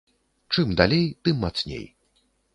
Чым далей, тым мацней.